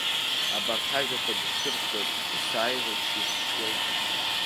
Абарҭ ажәақәа дышьҭырхуеит, есааира иҽирчуеит.